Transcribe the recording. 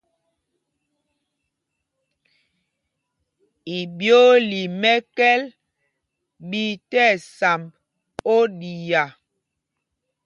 Iɓyōōla í mɛ́kɛ́l ɓí tí ɛsamb oɗiá.